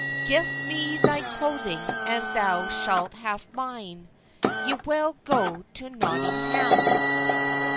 Geffe me they clothyng, and thow schalt hafe myne; Y well go to Notynggam."